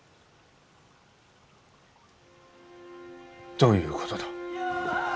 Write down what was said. どういうことだ？